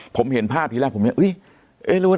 ผมเห็นภาพที่แรกผมเห็นว่า